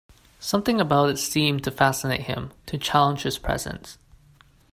Something about it seemed to fascinate him, to challenge his presence.